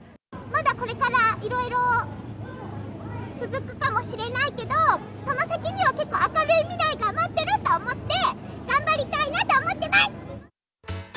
まだこれからいろいろ続くかもしれないけど、その先には結構、明るい未来が待ってると思って、頑張りたいなと思ってます！